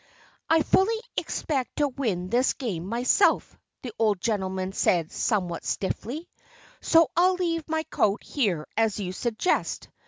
"I fully expect to win this game myself," the old gentleman said somewhat stiffly. "So I'll leave my coat here as you suggest.